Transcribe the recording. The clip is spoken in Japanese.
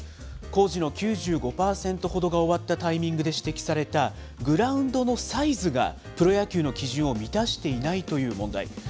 工事の９５％ほどが終わったタイミングで指摘されたグラウンドのサイズが、プロ野球の基準を満たしていないという問題。